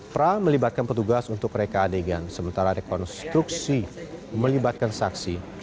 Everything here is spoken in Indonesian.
pra melibatkan petugas untuk reka adegan sementara rekonstruksi melibatkan saksi